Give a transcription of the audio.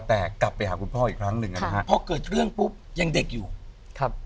แต่กลับไปหาคุณพ่ออีกครั้งหนึ่งอ่ะนะฮะพอเกิดเรื่องปุ๊บยังเด็กอยู่ครับ